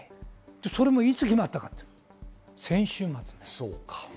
それもいつ決まったか、先週末です。